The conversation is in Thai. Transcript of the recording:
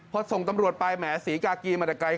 พอส่งตำรวจไปแหมศรีกากีมาแต่ไกล